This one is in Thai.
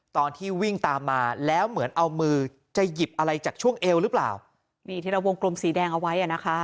ตอนที่วิ่งตามมาแล้วเหมือนเอามือจะหยิบอะไรจากช่วงเอวหรือเปล่านี่ที่เราวงกลมสีแดงเอาไว้อ่ะนะคะ